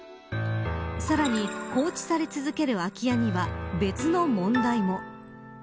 さらに放置され続ける空き家には別の問題も。